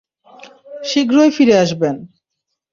শীঘ্রই ফিরে আসবেন।